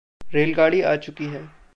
रेलगाड़ी आ चुकी है।